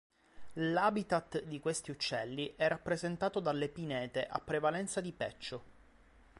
L"'habitat" di questi uccelli è rappresentato dalle pinete a prevalenza di peccio.